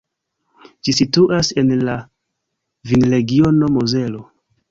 Ĝi situas en la vinregiono Mozelo.